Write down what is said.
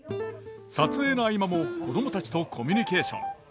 撮影の合間も子供たちとコミュニケーション。